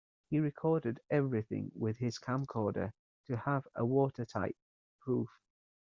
He recorded everything with his camcorder to have a watertight proof.